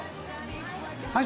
はい。